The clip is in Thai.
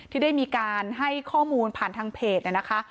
ที่ได้มีการให้ข้อมูลผ่านทางเพจนะคะ